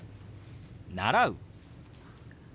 「習う」。